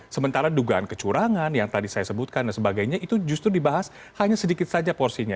sementara dugaan kecurangan yang tadi saya sebutkan dan sebagainya itu justru dibahas hanya sedikit saja porsinya